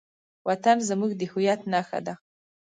وطن زموږ د هویت نښه ده.